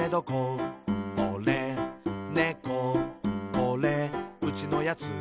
「これ、うちのやつ」